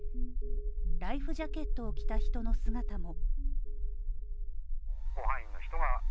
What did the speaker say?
ライフジャケットを着た人の姿も。